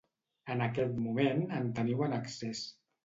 En aquest moment en teniu en excés.